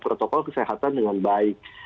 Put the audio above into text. protokol kesehatan dengan baik